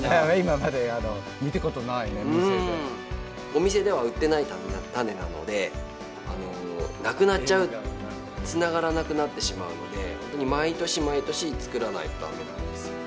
お店では売ってない種なのでなくなっちゃうつながらなくなってしまうのでほんとに毎年毎年作らないと駄目なんですよ。